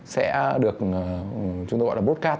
sẽ được chúng ta gọi là broadcast